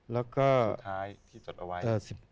สุดท้ายที่ตรวจเอาไว้